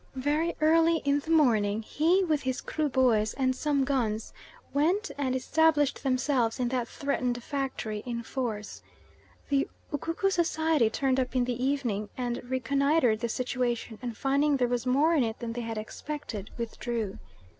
Very early in the morning he, with his Kruboys and some guns, went and established themselves in that threatened factory in force. The Ukuku Society turned up in the evening, and reconnoitred the situation, and finding there was more in it than they had expected, withdrew.